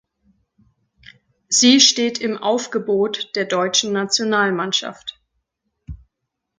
Sie steht im Aufgebot der deutschen Nationalmannschaft.